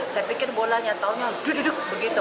saya pikir bolanya taunya duduk begitu